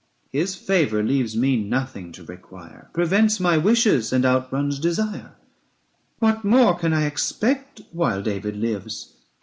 His favour leaves me nothing to require, Prevents my wishes and outruns desire; What more can I expect while David lives